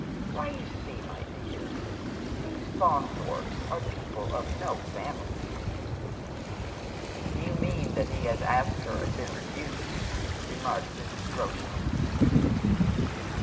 V.'hy, you see, my dear, these Faunthorpes are people of iw family.'' 82 Dead Men's Shoes. " Yon mean that he has asked her and been refused," remarka Mrs. Groshen, astutely.